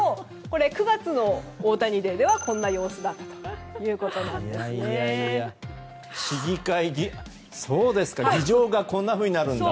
９月の大谷デーではこんな様子だったということなんです。